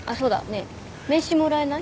ねえ名刺もらえない？